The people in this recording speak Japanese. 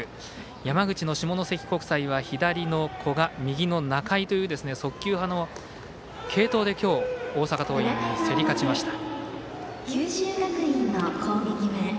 山口の下関国際は左の古賀、右の仲井という速球派の継投で今日大阪桐蔭に競り勝ちました。